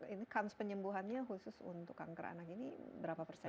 income penyembuhannya khusus untuk kanker anak ini berapa persen